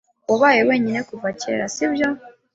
Wabaye wenyine kuva kera, sibyo, ?